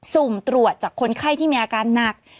สุ่มตรวจจากคนไข้ที่มีอาการหนัก